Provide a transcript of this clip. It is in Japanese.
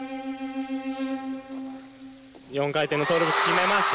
４回転のトーループ決めました。